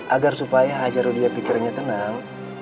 agar supaya hajarudia pikirnya tenang